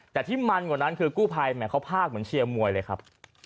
แต่ที่มันกว่านั้นคือกู้ภัยแหมเขาภาคเหมือนเชียร์มวยเลยครับ